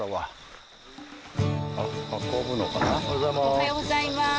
おはようございます。